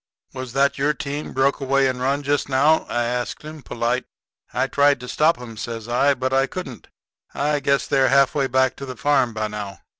"Was that your team broke away and run just now?" I asks him, polite. "I tried to stop 'em," says I, "but I couldn't. I guess they're half way back to the farm by now."